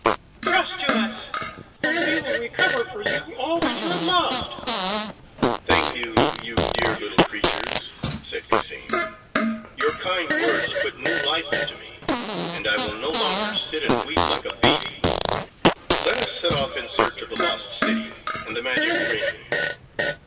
Trust to us, and we will recover for you all that you have lost." "Thank you, you dear little creatures," said Cassim; "your kind words put new life into me, and I will no longer sit and weep like a baby. Let us set off in search of the lost city and the magic ring."